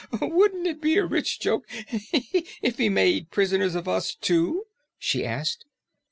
"Wouldn't it be a rich joke if he made prisoners of us, too?" she said.